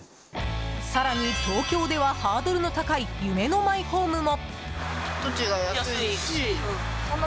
更に、東京ではハードルの高い夢のマイホームも！